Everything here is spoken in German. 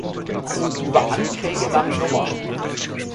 Über Anträge nach Nr.